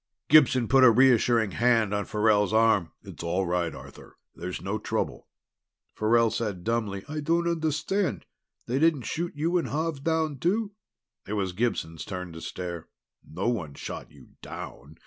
Gibson put a reassuring hand on Farrell's arm. "It's all right, Arthur. There's no trouble." Farrell said dumbly, "I don't understand. They didn't shoot you and Xav down too?" It was Gibson's turn to stare. "No one shot you down!